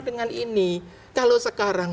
dengan ini kalau sekarang